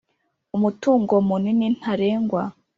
Umutungo munini ntarengwa